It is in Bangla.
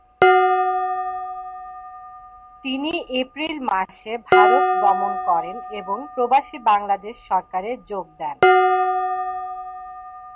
তিনি এপ্রিল মাসে ভারত গমন করেন এবং প্রবাসী বাংলাদেশ সরকারে যোগ দেন।